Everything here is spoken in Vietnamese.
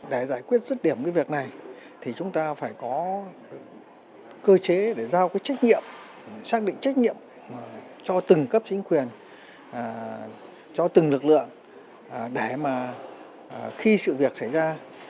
để giải quyết rứt điểm cái việc này thì chúng ta phải có cơ chế để giao cái trách nhiệm xác định trách nhiệm cho từng cấp chính quyền cho từng lực lượng để mà khi sự việc xảy ra